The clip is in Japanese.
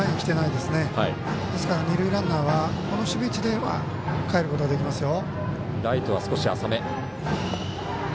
ですから二塁ランナーはこの守備位置ではかえることができますよ。